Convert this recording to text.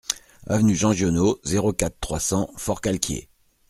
Avenue Jean Giono, zéro quatre, trois cents Forcalquier